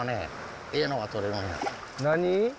何？